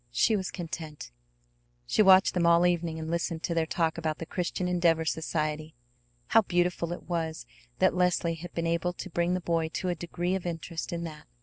She was content. She watched them all the evening, and listened to their talk about the Christian Endeavor Society. How beautiful it was that Leslie had been able to bring the boy to a degree of interest in that!